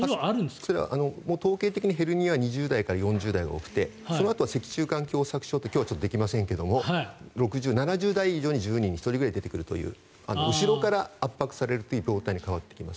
それは統計的にヘルニアは２０代から４０代が多くてそのあとは脊柱管狭窄症という今日はできませんけれど７０代以上の１０人に１人くらい出てくるという後ろから圧迫されるという病態に変わってきます。